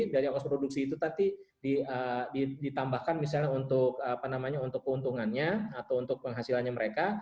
dari ongkos produksi itu tadi ditambahkan misalnya untuk keuntungannya atau untuk penghasilannya mereka